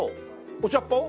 お茶っ葉を？